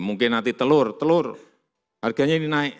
mungkin nanti telur telur harganya ini naik